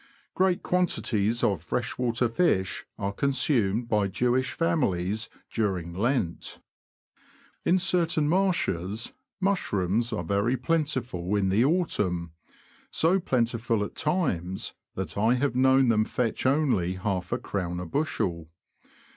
Great quantities of freshwater fish are consumed by Jewish families during Lent. In certain marshes, mushrooms are very plentiful in the autumn — so plentiful at times, that I have known them fetch only half a crown a bushel.